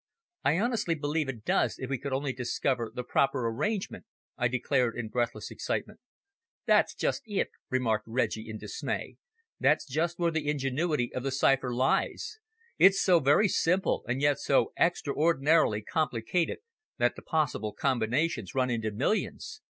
"I honestly believe it does if we could only discover the proper arrangement," I declared in breathless excitement. "That's just it," remarked Reggie, in dismay. "That's just where the ingenuity of the cipher lies. It's so very simple, and yet so extraordinarily complicated that the possible combinations run into millions.